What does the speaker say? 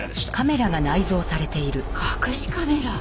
隠しカメラ？